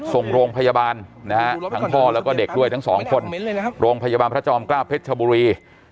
ทั้งพ่อและก็เด็กด้วยทั้งสองคนโรงพยาบาลพระจอมกล้าเพชรชะบุรี